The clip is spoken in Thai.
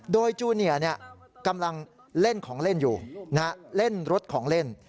โดยจูเนียร์กำลังเล่นของเล่นอยู่เล่นรถของเล่น